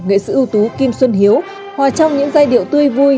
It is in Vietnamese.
nghệ sĩ ưu tú kim xuân hiếu hòa trong những giai điệu tươi vui